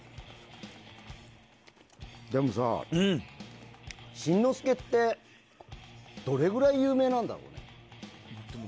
でもさ、新之助ってどれぐらい有名なんだろうね。